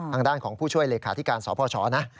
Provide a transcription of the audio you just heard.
ทางด้านของผู้ช่วยเลขาธิการสพชนะ